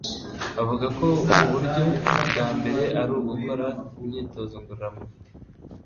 avuga ko uburyo bwa mbere ari ugukora imyitozo ngororamubiri,